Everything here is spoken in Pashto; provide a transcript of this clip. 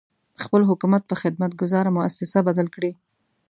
خپل حکومت په خدمت ګذاره مؤسسه بدل کړي.